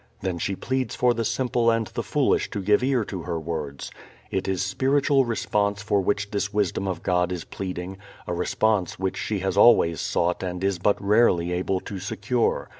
Then she pleads for the simple and the foolish to give ear to her words. It is spiritual response for which this Wisdom of God is pleading, a response which she has always sought and is but rarely able to secure.